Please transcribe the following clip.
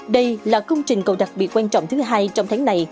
đây là công trình cầu đặc biệt quan trọng thứ hai trong tháng này